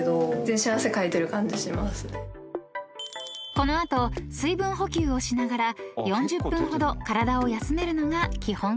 ［この後水分補給をしながら４０分ほど体を休めるのが基本コース］